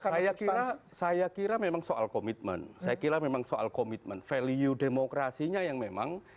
saya kira saya kira memang soal komitmen saya kira memang soal komitmen value demokrasinya yang memang